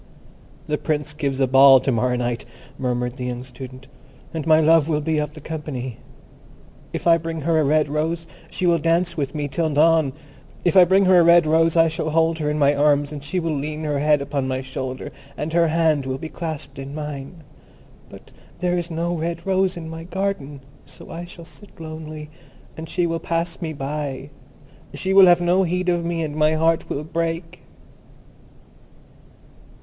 "The Prince gives a ball to morrow night," murmured the young Student, "and my love will be of the company. If I bring her a red rose she will dance with me till dawn. If I bring her a red rose, I shall hold her in my arms, and she will lean her head upon my shoulder, and her hand will be clasped in mine. But there is no red rose in my garden, so I shall sit lonely, and she will pass me by. She will have no heed of me, and my heart will break."